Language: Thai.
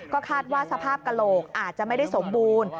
ก็คาดว่าสภาพกระโหลกอาจจะไม่ได้สมบูรณ์